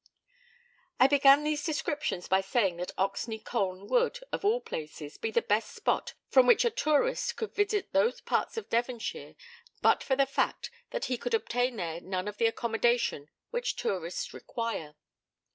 I began these descriptions by saying that Oxney Colne would, of all places, be the best spot from which a tourist could visit those parts of Devonshire, but for the fact that he could obtain there none of the accommodation which tourists require.